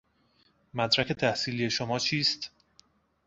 مدرک تحصیلی شما چیست؟